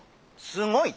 すごい！